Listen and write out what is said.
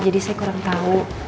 jadi saya kurang tau